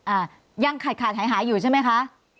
อ่ายังขาดขาดหายหายอยู่ใช่ไหมคะ